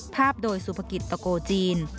ภาพโดยสุภกิจตะโกจีน